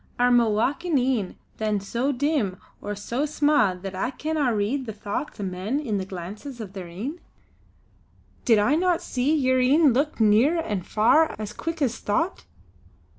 Are ma wakin' een then so dim or so sma' that I canna read the thochts o' men in the glances o' their een. Did I no see yer een look near an' far as quick as thocht?